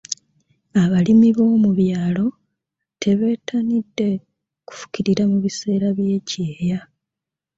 Abalimi b'omu byalo tebettanidde kufukirira mu biseera by'ekyeya.